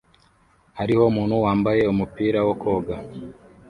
Hariho umuntu wambaye umupira wo koga